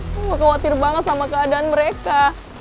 aku gak khawatir banget sama keadaan mereka